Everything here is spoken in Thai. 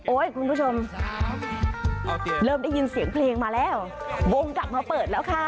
คุณผู้ชมเริ่มได้ยินเสียงเพลงมาแล้ววงกลับมาเปิดแล้วค่ะ